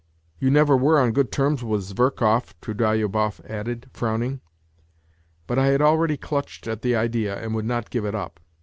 " You never were on good terms with Zverkov," Trudolyubov added, frowning. But I had already clutched at the idea and would not give it up.